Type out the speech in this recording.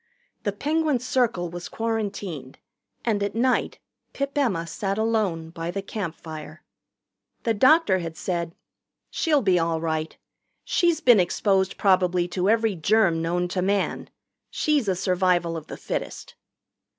The Penguin Circle was quarantined, and at night Pip Emma sat alone by the campfire. The doctor had said: "She'll be all right. She's been exposed probably to every germ known to man. She's a survival of the fittest."